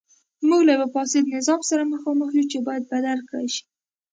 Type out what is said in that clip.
موږ له یوه فاسد نظام سره مخامخ یو چې باید بدل کړای شي.